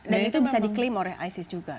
dan itu bisa diklaim oleh isis juga